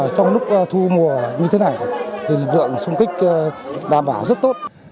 trong lúc thu mùa như thế này thì lực lượng xung kích đảm bảo rất tốt